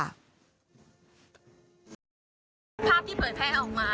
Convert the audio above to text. ภาพที่เปิดแพร่ออกมาเป็นภาพที่ไปพบกันเมื่อคืนใช่ไหมครับต่อ